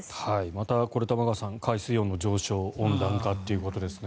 また玉川さん海水温の上昇温暖化ということですね。